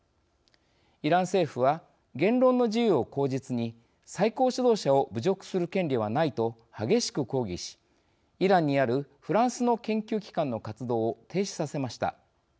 イラン政府は「言論の自由を口実に最高指導者を侮辱する権利はない」と激しく抗議しイランにあるフランスの研究機関の活動を停止させました。